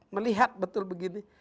melihat betul begini